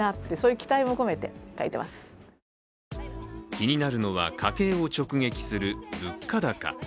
気になるのは、家計を直撃する物価高。